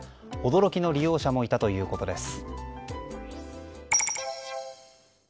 驚きの利用者もいたということです。